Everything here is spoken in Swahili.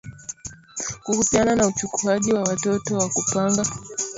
kuhusiana na uchukuaji wa watoto wa kupanga